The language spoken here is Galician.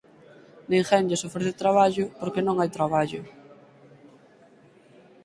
ninguén lles ofrece traballo, porque non hai traballo.